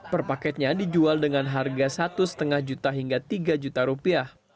per paketnya dijual dengan harga rp satu lima juta hingga rp tiga juta